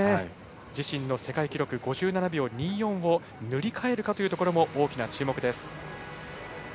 自身の世界記録５７秒２４を塗り替えるかも大きな注目です。